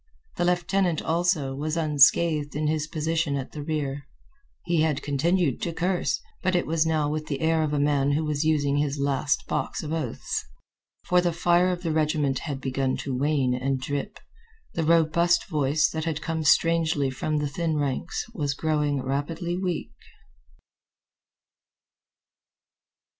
The lieutenant, also, was unscathed in his position at the rear. He had continued to curse, but it was now with the air of a man who was using his last box of oaths. For the fire of the regiment had begun to wane and drip. The robust voice, that had come strangely from the thin ranks, was growing rapidly weak.